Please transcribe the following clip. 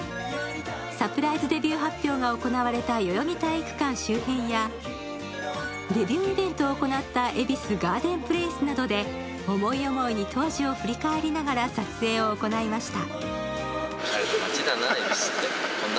サプライズデビュー発表が行われた代々木体育館周辺やデビューイベントを行った恵比寿ガーデンプレイスなどで思い思いに当時を振り返りながら撮影を行いました。